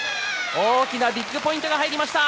大きなビッグポイントが入りました。